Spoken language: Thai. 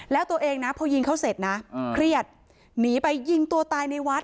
แล้วตัวเองนะพอยิงเขาเสร็จนะเครียดหนีไปยิงตัวตายในวัด